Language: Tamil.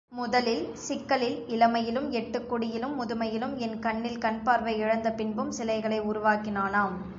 முதலில் சிக்கலில் இளமையிலும், எட்டுக் குடியிலும் முதுமையிலும், எண்கண்ணில் கண்பார்வை இழந்த பின்பும் சிலைகளை உருவாக்கினானாம்.